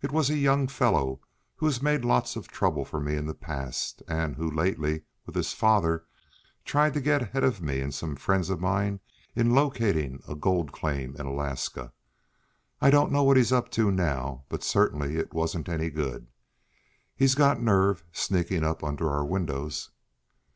"It was a young fellow who has made lots of trouble for me in the past, and who, lately, with his father, tried to get ahead of me and some friends of mine in locating a gold claim in Alaska. I don't know what he's up to now, but certainly it wasn't any good. He's got nerve, sneaking up under our windows!"